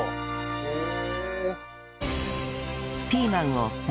へえ。